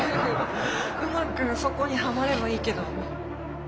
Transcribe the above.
うまくそこにはまればいいけど。